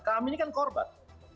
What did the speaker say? kami ini kan korban